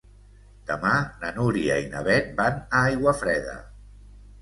Demà na Núria i na Beth van a Aiguafreda.